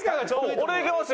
俺いけますよ。